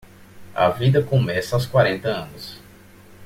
A vida começa aos quarenta anos.